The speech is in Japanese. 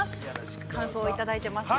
感想をいただいてますよ。